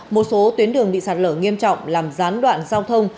một số tuyến đường bị sạt lở nghiêm trọng làm gián đoạn giao thông